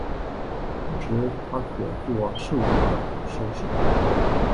同时它也可作兽用药销售。